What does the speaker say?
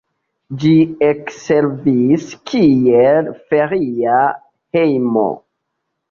Ĝi ekservis kiel feria hejmo.